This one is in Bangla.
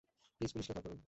প্লিজ পুলিশকে কল করুন।